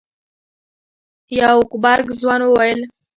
يو غبرګ ځوان وويل.